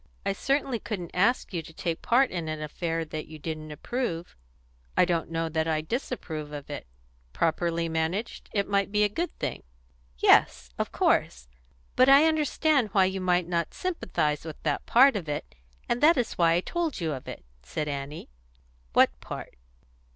"I certainly couldn't ask you to take part in an affair that you didn't approve." "I don't know that I disapprove of it. Properly managed, it might be a good thing." "Yes, of course. But I understand why you might not sympathise with that part of it, and that is why I told you of it," said Annie. "What part?"